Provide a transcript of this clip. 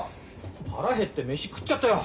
腹減って飯食っちゃったよ！